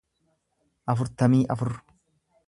afurtamii afur